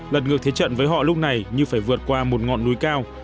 lật ngược thế trận với họ lúc này như phải vượt qua một ngọn núi cao